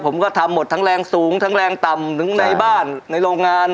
ผมก็ทำหมดทั้งแรงสูงทั้งแรงต่ำถึงในบ้านในโรงงาน